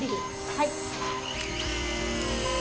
はい。